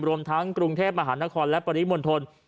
รวมทั้งกรุงเทพมหานครและปริมณฑล